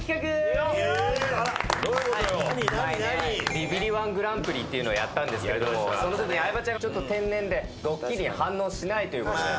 ビビり−１グランプリっていうのをやったんですけれどもそのときに相葉ちゃんがちょっと天然でドッキリに反応しないということで。